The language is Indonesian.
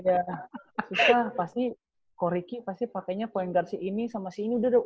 iya susah pasti ko riki pastinya pakainya point guard si ini sama si ini udah udah